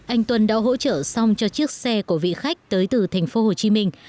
anh tuân đã hỗ trợ xong cho chiếc xe của vị khách tới từ thành phố hồ chí minh